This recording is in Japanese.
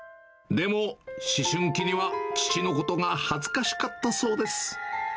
でも思春期には父のことが恥ずかしかったそうです。